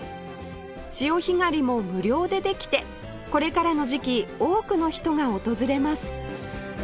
潮干狩りも無料でできてこれからの時期多くの人が訪れます